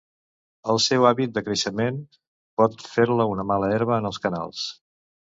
El seu hàbit de creixement pot fer-la una mala herba en els canals.